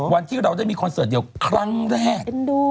วันที่เราได้มีคอนเสิร์ตเดียวครั้งแรก